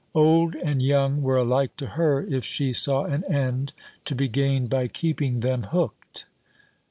Old and young were alike to her if she saw an end to be gained by keeping them hooked.